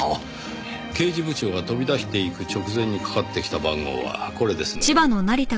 刑事部長が飛び出していく直前にかかってきた番号はこれですね。